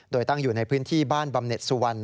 โดยตั้งอยู่ในพื้นที่บ้านบำเน็ตสุวรรณ